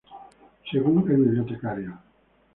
Según "El Bibliotecario.